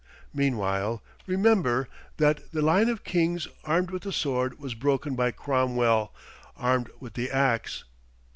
Meanwhile, remember that the line of kings armed with the sword was broken by Cromwell, armed with the axe.